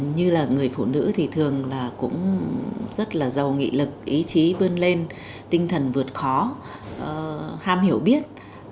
như là người phụ nữ thì thường là cũng rất là giàu nghị lực ý chí vươn lên tinh thần vượt khó ham hiểu biết